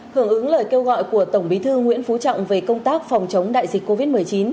hưởng ứng lời kêu gọi của tổng bí thư nguyễn phú trọng về công tác phòng chống đại dịch covid một mươi chín